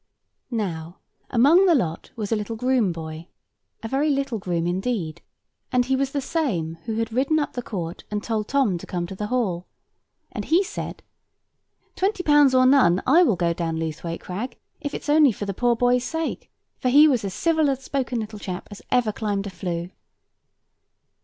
Now among the lot was a little groom boy, a very little groom indeed; and he was the same who had ridden up the court, and told Tom to come to the Hall; and he said— "Twenty pounds or none, I will go down over Lewthwaite Crag, if it's only for the poor boy's sake. For he was as civil a spoken little chap as ever climbed a flue."